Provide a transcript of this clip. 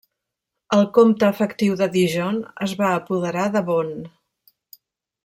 El comte efectiu de Dijon es va apoderar de Beaune.